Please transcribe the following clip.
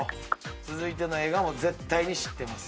続いての映画も絶対に知ってます。